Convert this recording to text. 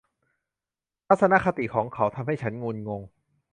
ทัศนคติของเขาทำให้ฉันงุนงง